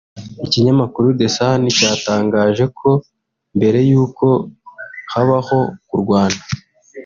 Ikinyamakuru The Sun cyatangaje ko mbere y’uko habaho kurwana